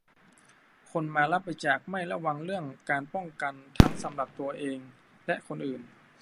คนมารับบริจาคไม่ระวังเรื่องการป้องกันทั้งสำหรับตัวเองและคนอื่น